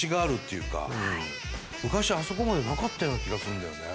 昔あそこまでなかったような気がするんだよね。